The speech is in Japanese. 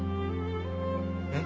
えっ？